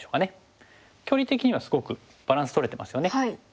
距離的にはすごくバランスとれてますよね。